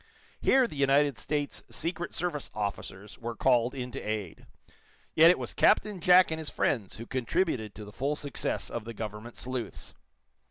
Here the United States Secret Service officers were called in to aid, yet it was Captain Jack and his friends who contributed to the full success of the government sleuths.